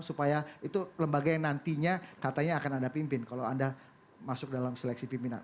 supaya itu lembaga yang nantinya katanya akan anda pimpin kalau anda masuk dalam seleksi pimpinan